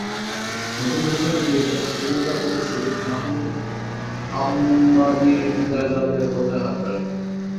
নতুন প্রেসিডেন্ট ইঙ্গিত দেন, তিনি তাঁর পূর্বসূরি মাহমুদ আহমাদিনেজাদের পথে হাঁটবেন না।